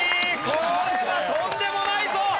これはとんでもないぞ！